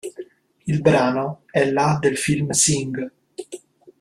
Il brano è la del film "Sing".